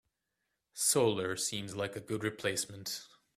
Solar seems like a good replacement.